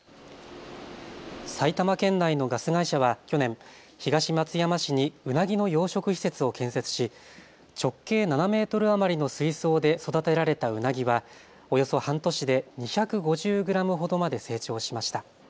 埼玉県内のガス会社は去年、東松山市にうなぎの養殖施設を建設し直径７メートル余りの水槽で育てられたうなぎはおよそ半年で２５０グラムほどまで成長しました。